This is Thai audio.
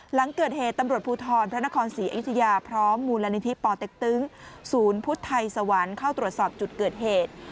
หลังเกิดเหตุตำรวจภูทรพระนครศรีอยุธยาพร้อมมูลนิธิปอเต็กตึงศูนย์พุทธไทยสวรรค์เข้าตรวจสอบจุดเกิดเหตุ